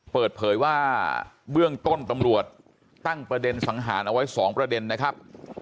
เปิดเผยว่าเบื้องต้นตำรวจตั้งประเด็นสังหารเอาไว้๒ประเด็นนะครับ